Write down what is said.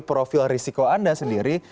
profil risiko anda sendiri